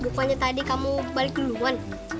bukannya tadi kamu balik duluan